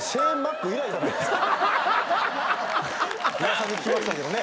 噂で聞きましたけどね。